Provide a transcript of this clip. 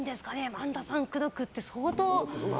萬田さんを口説くって相当。